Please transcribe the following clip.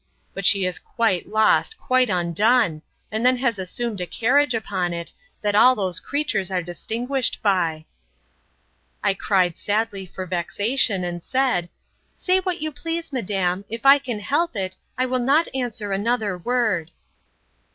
But she is quite lost, quite undone; and then has assumed a carriage upon it, that all those creatures are distinguished by! I cried sadly for vexation; and said, Say what you please, madam; if I can help it, I will not answer another word.